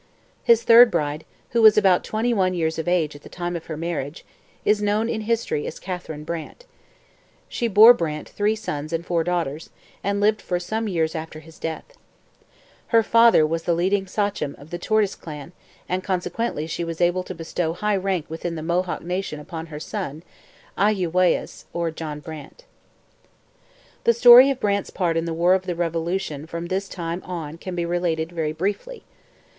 His third bride, who was about twenty one years of age at the time of her marriage, is known in history as Catherine Brant. She bore Brant three sons and four daughters, and lived for some years after his death. Her father was the leading sachem of the Tortoise clan and consequently she was able to bestow high rank within the Mohawk nation upon her son, Ahyouwaighs, or John Brant. The story of Brant's part in the War of the Revolution from this time on can be related very briefly.